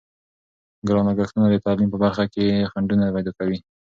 ګران لګښتونه د تعلیم په برخه کې خنډونه پیدا کوي.